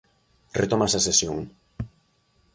Retómase a sesión.